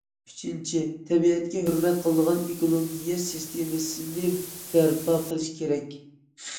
ئۈچىنچى، تەبىئەتكە ھۆرمەت قىلىدىغان ئېكولوگىيە سىستېمىسىنى بەرپا قىلىش كېرەك.